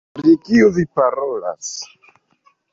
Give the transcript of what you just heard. Pri kiu vi parolas?